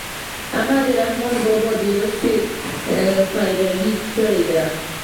هغه د رحمن بابا د يوه شعر پيروي کړې ده.